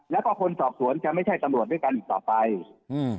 แล้วก็คนสอบสวนจะไม่ใช่ตำรวจด้วยกันอีกต่อไปอืม